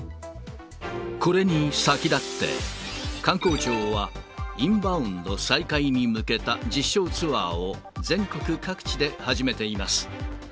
これに先立って、観光庁は、インバウンド再開に向けた実証ツアーを全国各地で始めています。